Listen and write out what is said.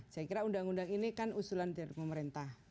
saya kira undang undang ini kan usulan dari pemerintah